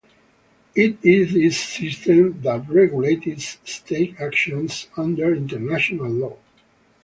It is this system that regulates state actions under international law.